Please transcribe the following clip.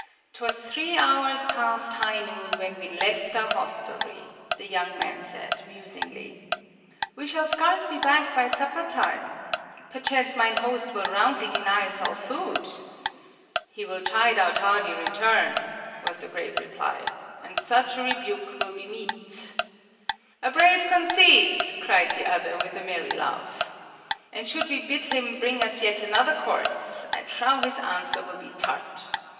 "'Twas three hours past high noon when we left our hostelry," the young man said, musingly. "We shall scarce be back by supper time. Perchance mine host will roundly deny us all food!" "He will chide our tardy return," was the grave reply, "and such a rebuke will be meet." "A brave conceit!" cried the other, with a merry laugh. "And should we bid him bring us yet another course, I trow his answer will be tart!"